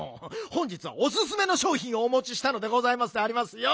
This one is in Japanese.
本日はおすすめのしょうひんをおもちしたのでございますでありますよ」。